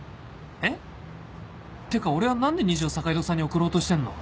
え⁉てか俺は何で虹を坂井戸さんに送ろうとしてんの？